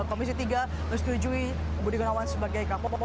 komisi tiga menyetujui budi gunawan sebagai kapolri